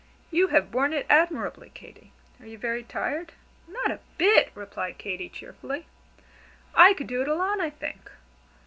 You have borne it admirably, Katy. Are you very tired?" "Not a bit!" replied Katy, cheerfully. "I could do it alone, I think.